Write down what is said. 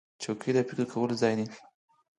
چوکۍ د فکر کولو ځای دی.